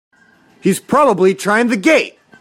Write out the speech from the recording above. He's probably trying the gate!